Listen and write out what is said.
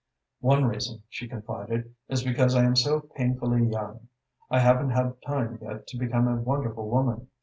"One reason," she confided, "is because I am so painfully young. I haven't had time yet to become a wonderful woman.